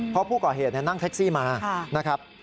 เพราะผู้ก่อเหตุนั่งแท็กซี่มานะครับ